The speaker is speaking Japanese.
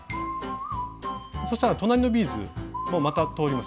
そしたら隣のビーズもまた通ります